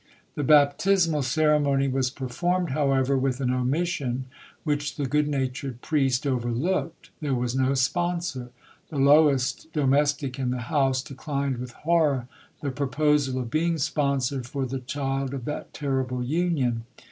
The baptismal ceremony was performed, however, with an omission which the good natured priest overlooked—there was no sponsor—the lowest domestic in the house declined with horror the proposal of being sponsor for the child of that terrible union.